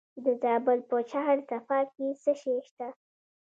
د زابل په شهر صفا کې څه شی شته؟